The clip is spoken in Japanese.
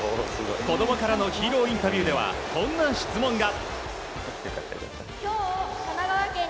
子供からのヒーローインタビューではこんな質問が。